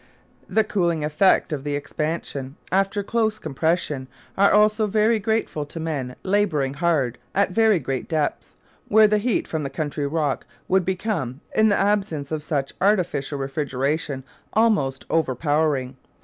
The cooling effects of the expansion, after close compression, are also very grateful to men labouring hard at very great depths, where the heat from the country rock would become, in the absence of such artificial refrigeration, almost overpowering.